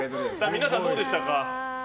皆さん、どうでしたか？